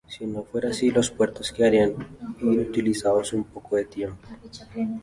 Si no fuera así, los puertos quedarían inutilizados en poco tiempo.